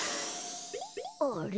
あれ？